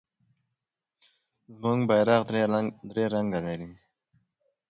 زمونږ بیرغ درې رنګه لري.